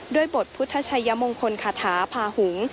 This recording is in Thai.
ด้วยบทพุทธชายมงคลคาถาภาหุง